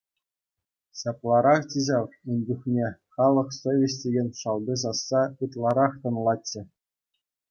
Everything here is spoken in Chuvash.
Ҫапларахчӗ ҫав ун чухне, халӑх совеҫ текен шалти сасса ытларах тӑнлатчӗ.